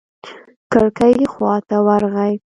کړکۍ خوا ته ورغى.